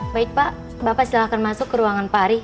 baik pak bapak silahkan masuk ke ruangan pak ari